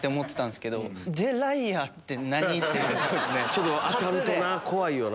ちょっと当たるとな怖いよな。